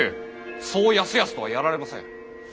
そうやすやすとはやられません。